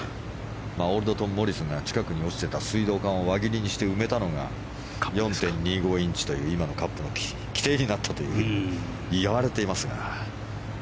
オールド・トム・モリスが近くに落ちていた水道管を輪切りにして埋めたのが４．２５インチという今のカップの規定になったといわれていますが。